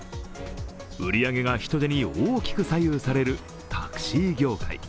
売り上げが人出に大きく左右されるタクシー業界。